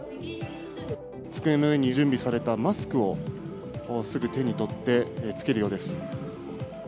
机の上に準備されたマスクをすぐ手に取って着けるようです。